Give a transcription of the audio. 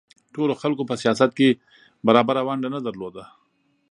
ټولو خلکو په سیاست کې برابره ونډه نه لرله.